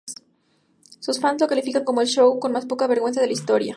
Sus fans lo calificaban como ""el show con más poca vergüenza de la historia"".